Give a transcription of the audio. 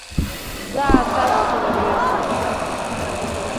Заа сашьҭалар еиӷьуп.